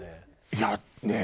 いやねえ。